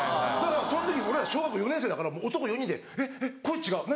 その時俺ら小学校４年生だから男４人で「えっ声違う何？